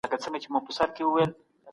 هیڅوک باید سپکاوی ونه زغمي.